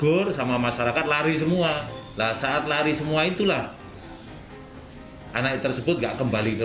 bur sama masyarakat lari semua lah saat lari semua itulah anak tersebut enggak kembali ke